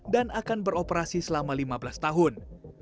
dan akan beroperasi selama lima belas tahun